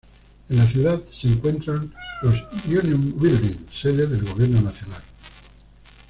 En la ciudad se encuentran los Union Buildings, sede del gobierno nacional.